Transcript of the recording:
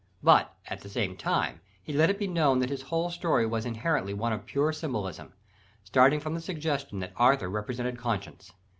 But at the same time he let it be known that his whole story was inherently one of pure symbolism: starting from the suggestion that Arthur represented conscience.